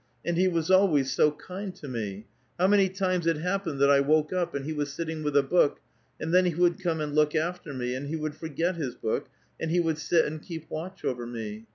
And he was always so kind to me. How many times it happened that I woke up, and he was sitting with a book ; and then he would come and look after me, and he would forget his book, and he would sit and keep watch over me.